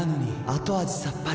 後味さっぱり．．．